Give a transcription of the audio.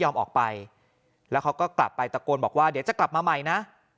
ออกไปแล้วเขาก็กลับไปตะโกนบอกว่าเดี๋ยวจะกลับมาใหม่นะ